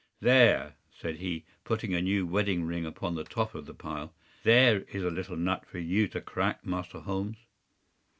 “There,” said he, putting a new wedding ring upon the top of the pile. “There is a little nut for you to crack, Master Holmes.